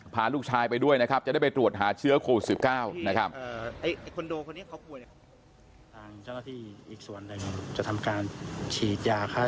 พาลูกชายไปด้วยนะครับจะได้ไปตรวจหาเชื้อโควิด๑๙นะครับ